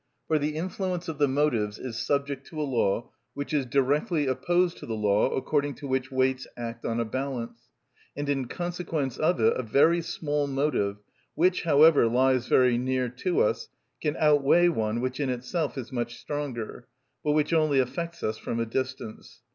For the influence of the motives is subject to a law which is directly opposed to the law according to which weights act on a balance, and in consequence of it a very small motive, which, however, lies very near to us, can outweigh one which in itself is much stronger, but which only affects us from a distance.